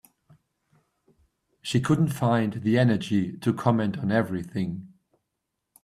She couldn’t find the energy to comment on everything.